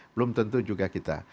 belum tentu juga kita